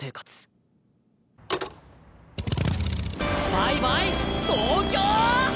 バイバイ東京！